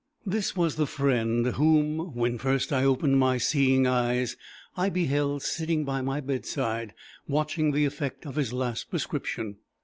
This was the friend whom, when first I opened my seeing eyes, I beheld sitting by my bedside, watching the effect of his last prescription.